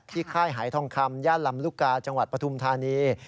ค่ายหายทองคำย่านลำลูกกาจังหวัดปฐุมธานี